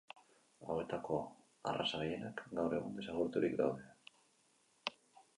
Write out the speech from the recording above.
Hauetako arraza gehienak gaur egun desagerturik daude.